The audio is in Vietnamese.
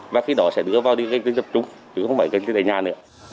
và khi đó sẽ đưa vào điện tinh tập trung chứ không phải điện tinh tại nhà nữa